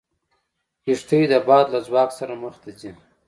کښتۍ د باد له ځواک سره مخ ته ځي.